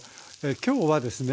今日はですね